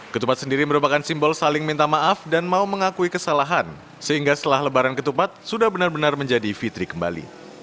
ketupat sendiri merupakan simbol saling minta maaf dan mau mengakui kesalahan sehingga setelah lebaran ketupat sudah benar benar menjadi fitri kembali